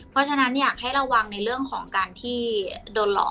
เพราะฉะนั้นอยากให้ระวังในเรื่องของการที่โดนหลอก